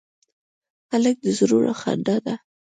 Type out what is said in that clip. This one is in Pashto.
هلک د زړونو خندا ده.